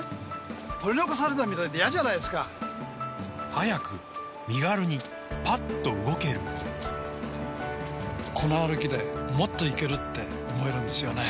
早く身軽にパッと動けるこの歩きでもっといける！って思えるんですよね